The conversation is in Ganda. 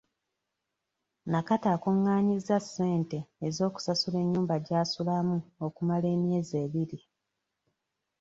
Nakato akungaanyizza ssente z'okusasula ennyumba gy'asulamu okumala emyezi ebiri.